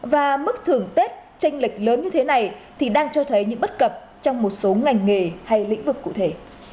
và mức thưởng tết tranh lịch lớn như thế này thì đang cho thấy những bất cập trong một số ngành nghề hay lĩnh vực cụ thể